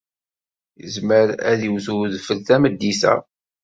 Yezmer ad d-iwet wedfel tameddit-a.